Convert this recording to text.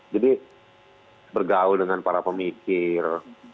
jadi bergaul dengan para pemikir